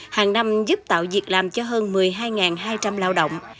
hàng năm giúp tạo việc làm cho hơn một mươi hai hai trăm linh lao động